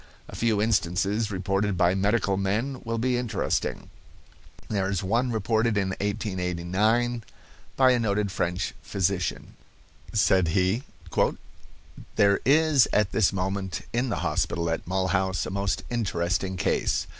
A few instances reported by medical men will be interesting. There is one reported in 1889 by a noted French physician. Said he: "There is at this moment in the hospital at Mulhouse a most interesting case.